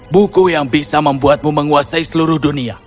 buku yang bisa membuatmu menguasai seluruh dunia